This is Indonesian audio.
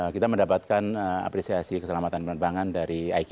kita mendapatkan apresiasi keselamatan penerbangan dari iki